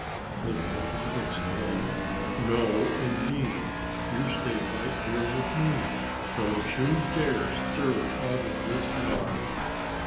_" his mother exclaimed. "No, indeed! You stay right here with me! Don't you dare stir out of this yard!"